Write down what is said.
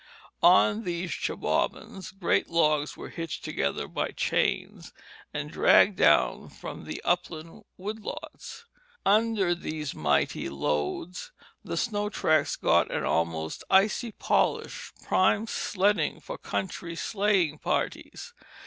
On these chebobbins great logs were hitched together by chains, and dragged down from the upland wood lots. Under these mighty loads the snow tracks got an almost icy polish, prime sledding for country sleighing parties.